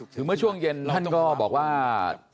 คือเมื่อช่วงเย็นท่านก็บอกว่า